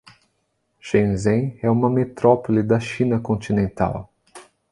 Shenzhen é uma metrópole da China continental